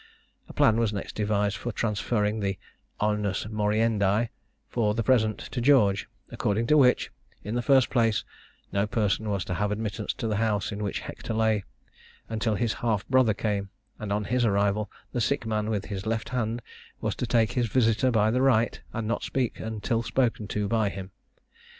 A plan was next devised for transferring the onus moriendi, for the present, to George; according to which, in the first place, no person was to have admittance to the house in which Hector lay, until his half brother came; and on his arrival, the sick man, with his left hand, was to take his visitor by the right, and not to speak until spoken to by him.